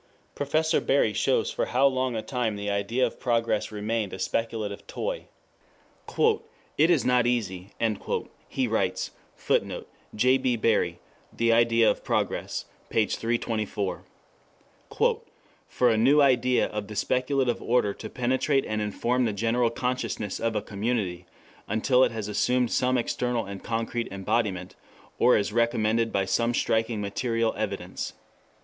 Professor Bury shows for how long a time the idea of progress remained a speculative toy. "It is not easy," he writes, [Footnote: J. B. Bury, The Idea of Progress, p. 324.] "for a new idea of the speculative order to penetrate and inform the general consciousness of a community until it has assumed some external and concrete embodiment, or is recommended by some striking material evidence.